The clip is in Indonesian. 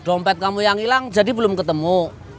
dompet kamu yang hilang jadi belum ketemu